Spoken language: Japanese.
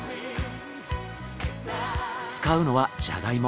使うのはジャガイモ。